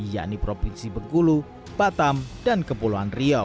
yaitu provinsi begulu batam dan kepulauan riau